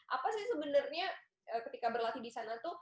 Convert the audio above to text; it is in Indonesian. apa sih sebenarnya ketika berlatih di sana tuh